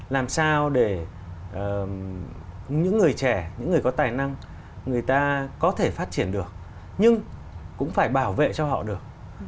làm sao để những người trẻ những người có tài năng người ta có thể phát triển được nhưng cũng phải bảo vệ cho họ được